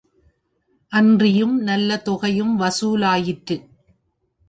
அன்றியும் நல்ல தொகையும் வசூலாயிற்று.